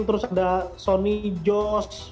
terus ada sony joss